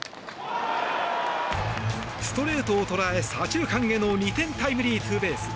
ストレートを捉え、左中間への２点タイムリーツーベース。